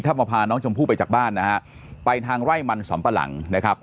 ถ้ามาพาน้องชมพู่ไปจากบ้านนะฮะไปทางไร่มันสำปะหลังนะครับ